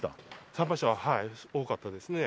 参拝者は多かったですね。